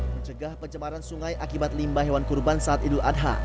mencegah pencemaran sungai akibat limba hewan kurban saat idul adha